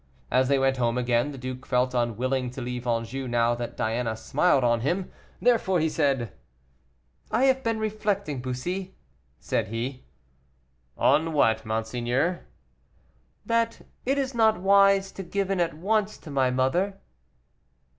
As they went home again, the duke felt unwilling to leave Anjou now that Diana smiled on him. Therefore he said, "I have been reflecting, Bussy," said he. "On what, monseigneur?" "That it is not wise to give in at once to my mother."